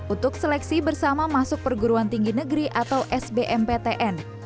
untuk seleksi bersama masuk perguruan tinggi negeri atau sbmptn